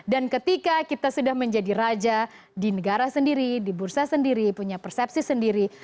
dan ketika kita sudah menjadi raja di negara sendiri di bursa sendiri punya persepsi sendiri